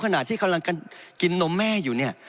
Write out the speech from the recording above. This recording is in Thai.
ขนาดที่เขากำลังกันกินนมแม่อยู่เนี่ย